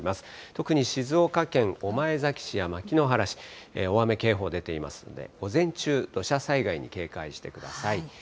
特に静岡県御前崎市や牧之原市、大雨警報出ていますので、午前中、土砂災害に警戒してください。